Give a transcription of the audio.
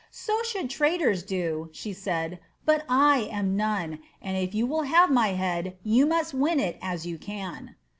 '^ So should traitors do," she said, ^ hot I am none, and if you will have my head, you must win it as yon cao."